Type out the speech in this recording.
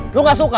lo gak suka